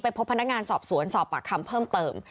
พบพนักงานสอบสวนสอบปากคำเพิ่มเติม